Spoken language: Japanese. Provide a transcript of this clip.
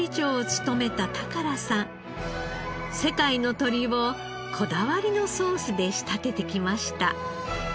世界の鶏をこだわりのソースで仕立ててきました。